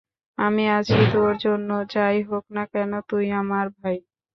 আমি আছি তোর জন্য, যাই হোক না কেন, তুই আমার ভাই।